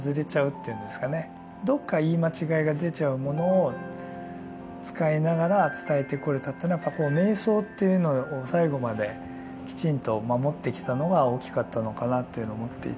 どっか言い間違いが出ちゃうものを使いながら伝えてこれたというのはやっぱこう瞑想というのを最後まできちんと守ってきたのが大きかったのかなというのを思っていて。